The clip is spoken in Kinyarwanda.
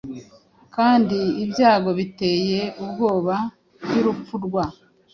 Kandi ibyago biteye ubwoba byurupfu rwa